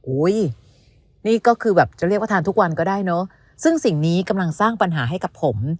อุ้ยนี่ก็คือแบบจะเรียกว่าทานทุกวันก็ได้เนอะซึ่งสิ่งนี้กำลังสร้างปัญหาให้กับผม